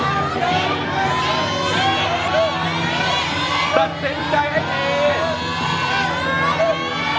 หยุดหยุดหยุดหยุด